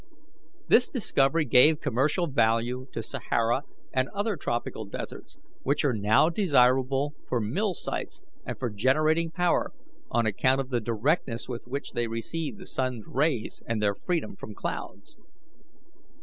This discovery gave commercial value to Sahara and other tropical deserts, which are now desirable for mill sites and for generating power, on account of the directness with which they receive the sun's rays and their freedom from clouds.